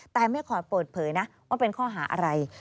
แต่ไม่ขอเปิดเผยนะว่าเป็นข้อหาอะไร